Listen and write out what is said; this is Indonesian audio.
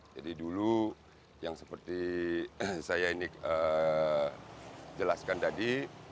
jadi dulu yang seperti saya ini jelaskan tadi